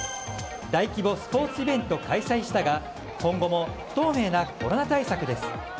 大規模スポーツイベント開催したが今後も不透明なコロナ対策です。